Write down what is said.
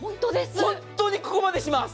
本当にここまでします。